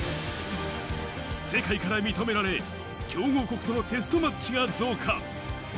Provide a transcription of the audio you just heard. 世界から認められ、強豪国とのテストマッチが増加。